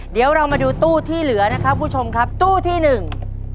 เดี๋ยวเรามาดูตู้ที่เหลือนะครับคุณผู้ชมครับตู้ที่หนึ่ง